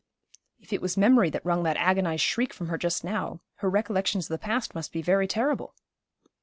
'If it was memory that wrung that agonised shriek from her just now, her recollections of the past must be very terrible.'